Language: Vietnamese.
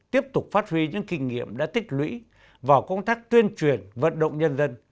tiếp tục phát huy những kinh nghiệm đã tích lũy vào công tác tuyên truyền vận động nhân dân